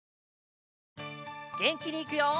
げんきにいくよ！